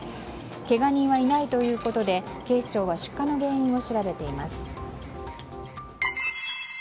けが人はいないということで警視庁は出火の原因を調べています。